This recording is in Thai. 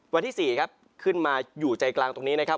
วันที่๔ครับขึ้นมาอยู่ใจกลางตรงนี้นะครับ